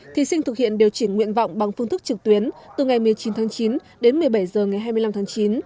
thí sinh thực hiện điều chỉnh nguyện vọng bằng phương thức trực tuyến từ ngày một mươi chín tháng chín đến một mươi bảy h ngày hai mươi năm tháng chín